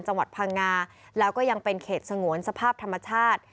จังหวัดพังงาแล้วก็ยังเป็นเขตสงวนสภาพธรรมชาติ